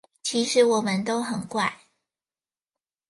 其實我們都很怪